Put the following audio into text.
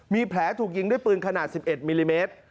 มีแผลถูกยิงด้วยปืนขนาด๑๑มิลลิเมตร